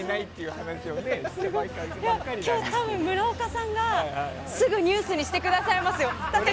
今日、多分村岡さんがすぐにニュースにしてくださいますよ。